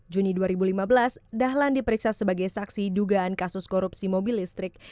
juni dua ribu lima belas dahlan diperiksa sebagai saksi dugaan kasus korupsi mobil listrik